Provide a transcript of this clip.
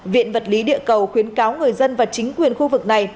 viện vật lý địa cầu khuyến cáo người dân và chính quyền khu vực này